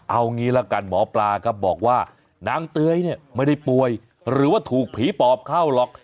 เอางี้ละกันหมอปลาครับบอกว่านางเตยเนี่ยไม่ได้ป่วยหรือว่าถูกผีปอบเข้าหรอก